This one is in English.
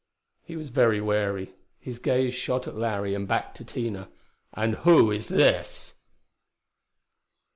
He was very wary. His gaze shot at Larry and back to Tina. "And who is this?"